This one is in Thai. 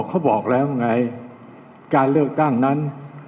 เขาบอกแล้วไงการเลือกตั้งนั้น